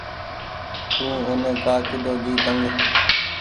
تو اوني ڪآ ڪۮو جي تنگ۔